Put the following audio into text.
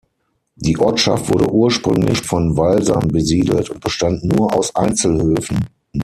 Die Ortschaft wurde ursprünglich von Walsern besiedelt und bestand nur aus Einzelhöfen.